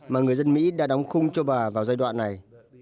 mà người dân mỹ đã đóng khung cho bà vào giai đoạn này